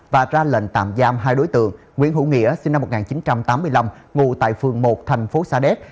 và ra lệnh tạm giam hai đối tượng nguyễn hữu nghĩa sinh năm một nghìn chín trăm tám mươi năm ngụ tại phường một thành phố sa đéc